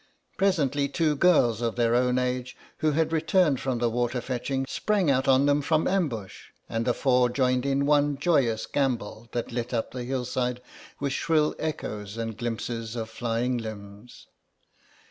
Presently two girls of their own age, who had returned from the water fetching, sprang out on them from ambush, and the four joined in one joyous gambol that lit up the hillside with shrill echoes and glimpses of flying limbs.